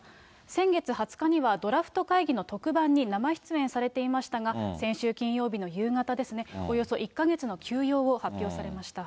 先月２０日にはドラフト会議の特番に生出演されていましたが、先週金曜日の夕方ですね、およそ１か月の休養を発表されました。